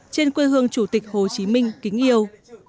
trên quê hương chủ tịch hồ chí minh kính yêu